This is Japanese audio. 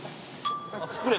スプレー？